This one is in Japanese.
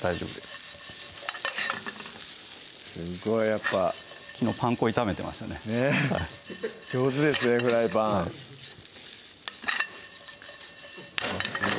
すごいやっぱ昨日パン粉炒めてましたね上手ですね